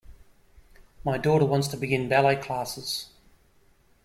My daughter wants to begin ballet classes.